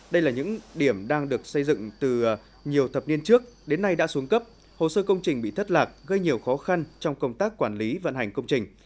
đây là những điểm đang được xây dựng từ nhiều thập niên trước đến nay đã xuống cấp hồ sơ công trình bị thất lạc gây nhiều khó khăn trong công tác quản lý vận hành công trình